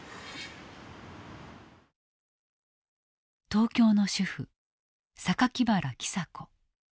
東京の主婦原喜佐子。